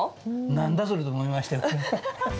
なんだそれと思いましたよ。